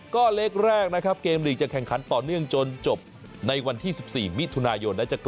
ก็เลขแรกนะครับเกมลีกจะแข่งขันต่อเนื่องจนจบในวันที่๑๔มิถุนายน